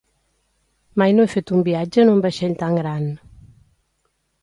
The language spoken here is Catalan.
Mai no he fet un viatge en un vaixell tan gran.